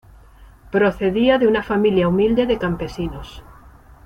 Procedía de una familia humilde de campesinos.